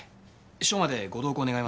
署までご同行願えますか？